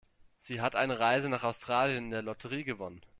Sie hat eine Reise nach Australien in der Lotterie gewonnen.